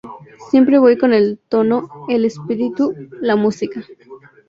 Siempre voy con el tono, el espíritu, la música.